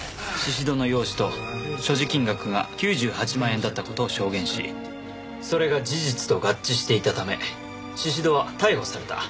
宍戸の容姿と所持金額が９８万円だった事を証言しそれが事実と合致していたため宍戸は逮捕された。